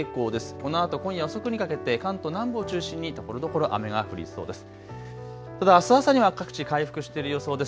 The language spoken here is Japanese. このあと今夜遅くにかけて関東南部を中心にところどころ雨が降りそうです。